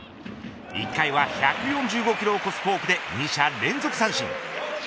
１回は１４５キロを超すフォークで２者連続三振。